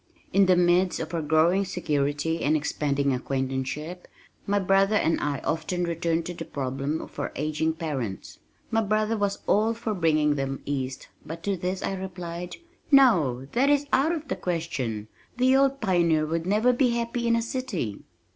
In the midst of our growing security and expanding acquaintanceship, my brother and I often returned to the problem of our aging parents. My brother was all for bringing them east but to this I replied, "No, that is out of the question. The old pioneer would never be happy in a city."